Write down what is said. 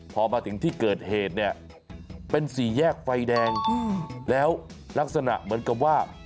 พอมาถึงที่เกิดเหตุเนี่ยเป็นสี่แยกไฟแดงแล้วลักษณะเหมือนกับว่า